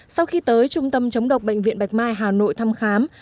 sau khi tới trung tâm chống độc bệnh viện bạch mai hà nội thăm khám